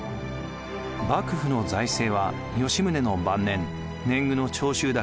幕府の財政は吉宗の晩年年貢の徴収